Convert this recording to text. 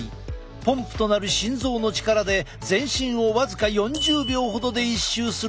ポンプとなる心臓の力で全身を僅か４０秒ほどで１周するといわれている。